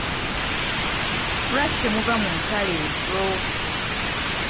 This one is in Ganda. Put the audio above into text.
Lwaki temuva mu ntalo ezo?